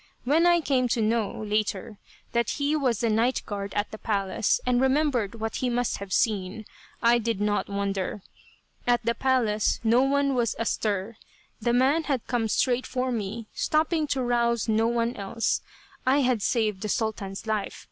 When I came to know, later, that he was the night guard at the palace, and remembered what he must have seen, I did not wonder. At the palace no one was astir. The man had come straight for me, stopping to rouse no one else. I had saved the Sultan's life.